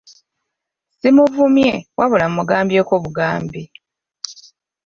Siimuvumye wabula mugambyeko bugambi.